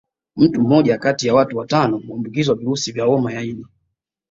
Mtu mmoja kati ya watu watatu huambukizwa virusi vya homa ya ini